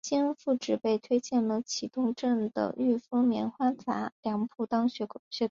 经父执辈推介进了启东镇的裕丰棉花杂粮铺当学徒工。